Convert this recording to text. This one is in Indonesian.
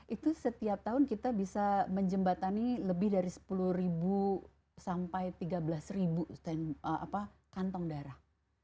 itu setiap tahun kita bisa menjembatani lebih dari sepuluh sampai tiga belas kantong darah